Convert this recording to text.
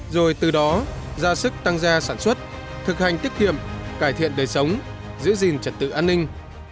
rồi từ đó ra sức tăng gia sản xuất thực hành tiết kiệm cải thiện đời sống giữ gìn trật tự an ninh